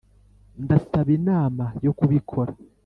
ndasaba inama yo kubikora